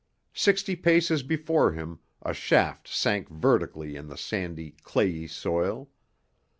Sixty paces before him, a shaft sank vertically in the sandy, clayey soil.